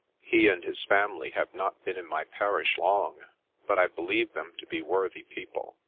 " He and his family have not been in my parish long, but I believe them to be worthy people.